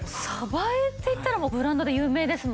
江っていったらもうブランドで有名ですもんね。